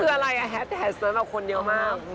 คืออะไรแฮทแทสมาคนเดียวมาก